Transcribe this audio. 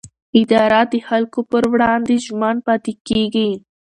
اداره د خلکو پر وړاندې ژمن پاتې کېږي.